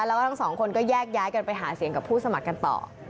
แล้วทุกสองคนก็แยกแยกไปหาเสียงกับผู้สมัครกันต่อ